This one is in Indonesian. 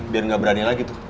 biar nggak berani lagi tuh